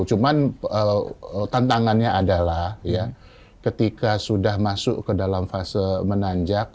cuman tantangannya adalah ya ketika sudah masuk ke dalam fase menanjak